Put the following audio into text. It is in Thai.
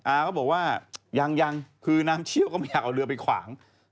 อาก็บอกว่ายังยังคือน้ำเชี่ยวก็ไม่อยากเอาเรือไปขวาง